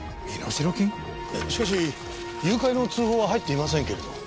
しかし誘拐の通報は入っていませんけれど。